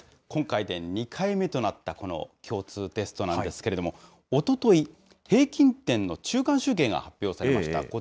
今回で２回目となったこの共通テストなんですけれども、おととい、平均点の中間集計が発表されました。